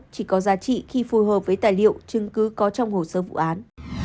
chỉ có giá trị khi phù hợp với tài liệu chứng cứ có trong hồ sơ vụ án